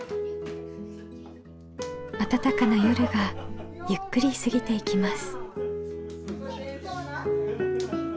あたたかな夜がゆっくり過ぎていきます。